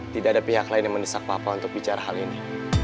tidak ada pihak lain yang mendesak papa untuk bicara hal ini